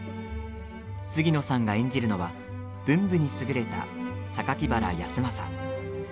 杉野さんが演じるのは文武に優れた榊原康政。